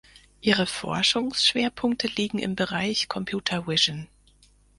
Ihre Forschungsschwerpunkte liegen im Bereich Computer Vision.